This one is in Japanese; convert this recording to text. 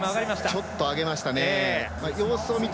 ちょっと上げました。